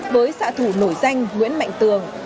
với xã thủ nổi danh nguyễn mạnh tường